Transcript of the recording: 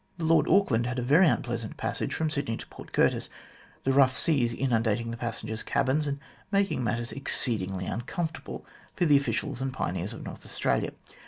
The Lord Auckland had a very unpleasant passage from Sydney to Port Curtis, the rough seas inundating the passen gers' cabins, and making matters exceedingly uncomfortable for the officials and pioneers of North Australia.